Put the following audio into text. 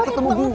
mau ketemu gue